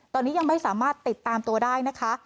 ตอนนี้ยังไม่สามารถติดตามตัวได้นะคะ